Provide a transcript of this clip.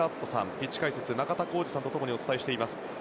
ピッチ解説中田浩二さんとともにお伝えしています。